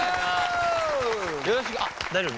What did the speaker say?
よろしくあっ大丈夫？